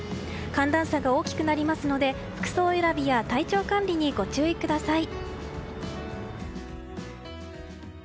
寒暖差が大きくなりますので服装選びや体調管理にご注意ください。